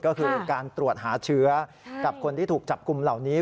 ก็คือการตรวจหาเชื้อกับคนที่ถูกจับกลุ่มเหล่านี้